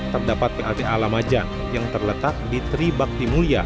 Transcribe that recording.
terdapat plta alamajan yang terletak di tri baktimulya